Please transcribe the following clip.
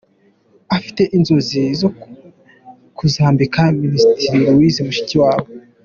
Afite inzozi zo kuzambika Minisitiri Louise Mushikiwabo.